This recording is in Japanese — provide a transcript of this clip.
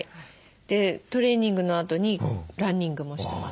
でトレーニングのあとにランニングもしてます。